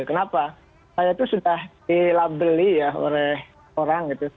kenapa saya itu sudah dilabeli ya oleh orang gitu